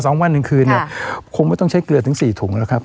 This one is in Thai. สองวันหนึ่งคืนเนี่ยคงไม่ต้องใช้เกลือถึงสี่ถุงแล้วครับ